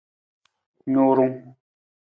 Nurung.